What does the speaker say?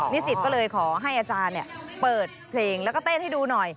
นิสิตก็เลยขอให้อาจารย์เปิดเพลงแล้วก็เต้นให้ดูหน่อย